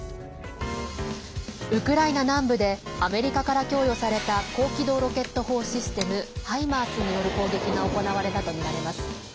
ウクライナ南部でアメリカから供与された高機動ロケット砲システム「ハイマース」による攻撃が行われたとみられます。